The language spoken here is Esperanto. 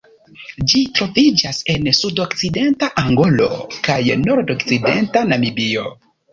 Ĝi troviĝas en sudokcidenta Angolo kaj nordokcidenta Namibio.